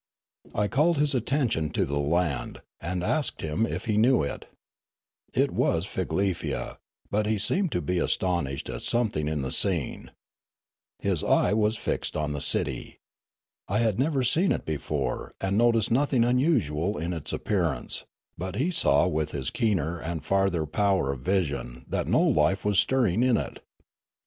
I called his attention to the land, and asked him if he knew it. It was Figlefia ; but he seemed to be astonished at something in the scene. His eye was fixed on the city. I had never seen it before, and noticed nothing unusual in its appearance; but he saw with his keener and farther power of vision that no life was stirring in it.